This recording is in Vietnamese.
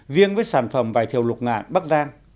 riêng với sản phẩm vải thiều lục ngạn bắc giang